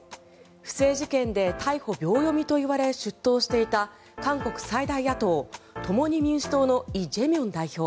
不正事件で逮捕秒読みといわれ出頭していた韓国最大野党・共に民主党のイ・ジェミョン代表。